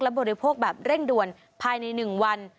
บริโภคแบบเร่งด่วนภายใน๑วัน